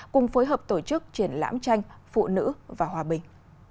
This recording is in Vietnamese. cùng phối hợp tổ chức triển lãm tranh phụ nữ và hòa bình